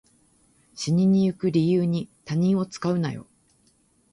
死にに行く理由に他人を使うなよ